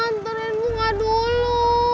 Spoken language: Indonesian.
ntarin bunga dulu